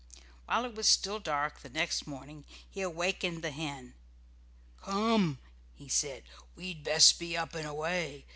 While it was still dark the next morning, he awakened the hen. "Come," said he; "we'd best be up and away.